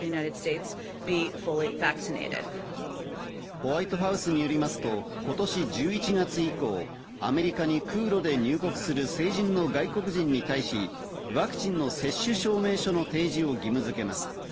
ホワイトハウスによりますと今年１１月以降、アメリカに空路で入国する成人の外国人に対し、ワクチンの接種証明書の提示を義務付けます。